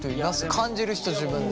感じる人自分で。